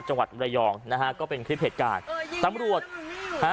มรยองนะฮะก็เป็นคลิปเหตุการณ์ตำรวจฮะ